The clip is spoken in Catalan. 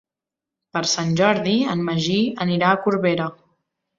Per Sant Jordi en Magí anirà a Corbera.